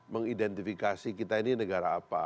mengidentifikasi kita ini negara apa